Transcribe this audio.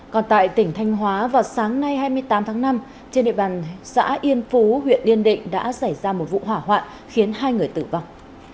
còn tại tỉnh thanh hóa vào sáng nay hai mươi tám tháng năm trên địa bàn xã yên phú huyện yên định đã xảy ra một vụ hỏa hoạn khiến hai người tử vong